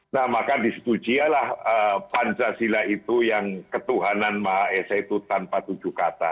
nah maka disetujuialah pancasila itu yang ketuhanan maha esa itu tanpa tujuh kata